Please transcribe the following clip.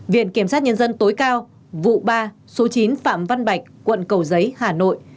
viện kiểm sát nhân dân tối cao vụ ba số chín phạm văn bạch quận cầu giấy hà nội